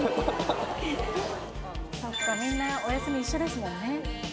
そっかみんなお休み一緒ですもんね。